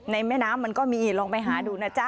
แม่น้ำมันก็มีลองไปหาดูนะจ๊ะ